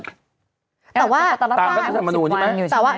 แต่ว่าค์ไปตามประธรรภรณูนนี่ไหมใช่มั้ยแต่ว่า